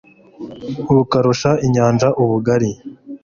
bukarusha inyanja ubugari